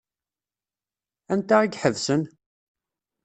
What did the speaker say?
Anta i iḥebsen?